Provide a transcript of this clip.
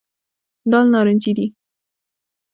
دال نارنجي دي.